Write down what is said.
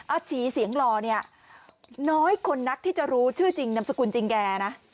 อาชีเสียงหล่อเนี่ยน้อยคนนักที่จะรู้ชื่อจริงนามสกุลจริงแก่นะ